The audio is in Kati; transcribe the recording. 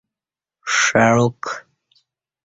ݜعاک